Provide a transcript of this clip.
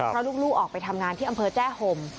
เพราะลูกออกไปทำงานที่อำเภอแจ้ห่ม